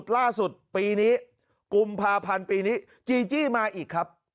ล่าสุดปีนี้กุมภาพันธ์ปีนี้จีจี้มาอีกครับ